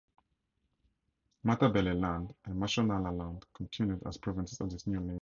Matabeleland and Mashonaland continued as provinces of this new nation.